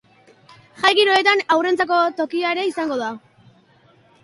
Jai giro horretan haurrentzako tokia ere izango da.